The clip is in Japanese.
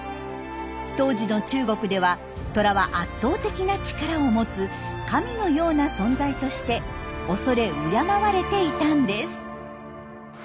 当時の中国ではトラは圧倒的な力を持つ神のような存在としておそれ敬われていたんです。